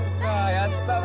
やったな。